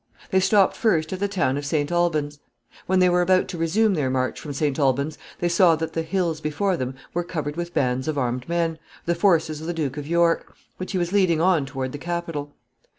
They stopped first at the town of St. Alban's. When they were about to resume their march from St. Alban's, they saw that the hills before them were covered with bands of armed men, the forces of the Duke of York, which he was leading on toward the capital.